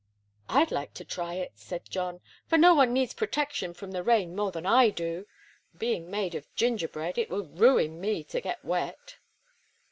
"I'd like to try it," said John, "for no one needs protection from the rain more than I do. Being made of gingerbread, it would ruin me to get wet."